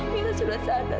amira sudah selesai dari allah